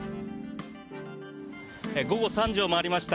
午後３時を回りました。